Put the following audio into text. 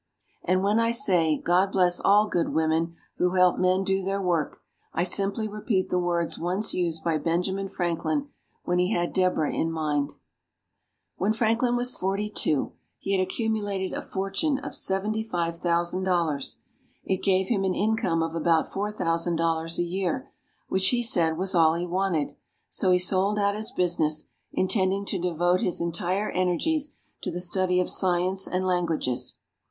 And when I say, "God bless all good women who help men do their work," I simply repeat the words once used by Benjamin Franklin when he had Deborah in mind. When Franklin was forty two, he had accumulated a fortune of seventy five thousand dollars. It gave him an income of about four thousand dollars a year, which he said was all he wanted; so he sold out his business, intending to devote his entire energies to the study of science and languages.